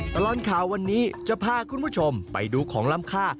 ตลอดข่าววันนี้จะพาคุณผู้ชมไปดูของล้ำค่า